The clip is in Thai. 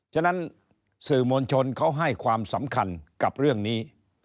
ฉะนั้นสื่อมวลชนเขาให้ความสำคัญกับเรื่องนี้